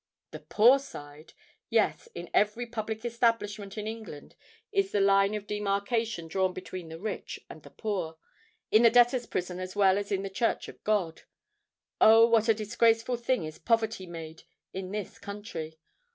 The Poor Side!—Yes in every public establishment in England, is the line of demarcation drawn between the rich and the poor,—in the debtors' prison as well as in the church of God! Oh! what a disgraceful thing is poverty made in this country!